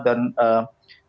dan kualifikasi juga bagus banget